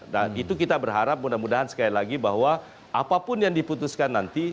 dan itu kita berharap mudah mudahan sekali lagi bahwa apapun yang diputuskan nanti